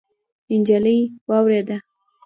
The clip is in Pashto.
نجلۍ واورېده.